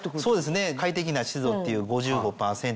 快適な湿度っていう５５％とか。